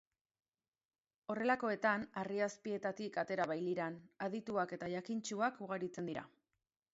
Horrelakoetan harri azpietatik atera bailiran, adituak eta jakintsuak ugaritzen dira.